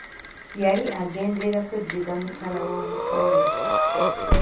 Yali agenderera kweddiza mukyala wa muto we.